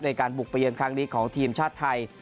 ในการบุกไปเยือนครั้งนี้ของทีมชาติไทย